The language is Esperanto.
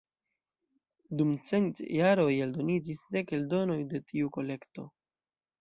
Dum cent jaroj eldoniĝis dek eldonoj de tiu kolekto.